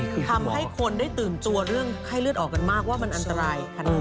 ทำให้คนได้ตื่นตัวเรื่องไข้เลือดออกกันมากว่ามันอันตรายขนาดนี้